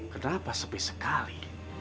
kenapa sepi sekali